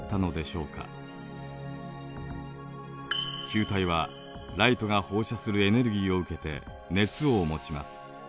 球体はライトが放射するエネルギーを受けて熱を持ちます。